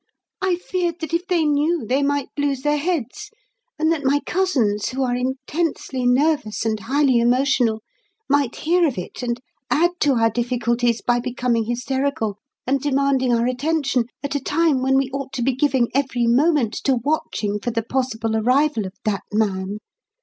"I feared that if they knew they might lose their heads, and that my cousins, who are intensely nervous and highly emotional, might hear of it, and add to our difficulties by becoming hysterical and demanding our attention at a time when we ought to be giving every moment to watching for the possible arrival of that man.